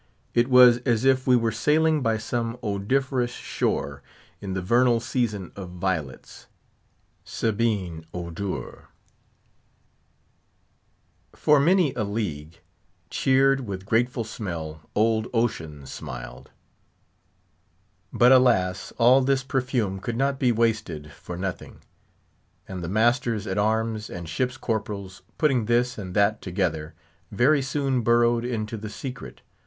It was as if we were sailing by some odoriferous shore, in the vernal season of violets. Sabaean odours! "For many a league, Cheered with grateful smell, old Ocean smiled." But, alas! all this perfume could not be wasted for nothing; and the masters at arms and ship's corporals, putting this and that together, very soon burrowed into the secret.